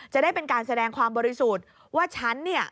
จะได้เป็นการแสดงความบริสุทธิ์ว่าฉันเนี่ย